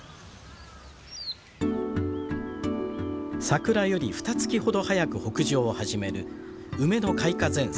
桜よりふた月ほど早く北上を始める梅の開花前線。